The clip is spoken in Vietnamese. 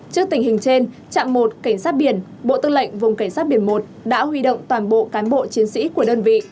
trước tình hình trên trạm một cảnh sát biển bộ tư lệnh vùng cảnh sát biển một đã huy động toàn bộ cán bộ chiến sĩ của đơn vị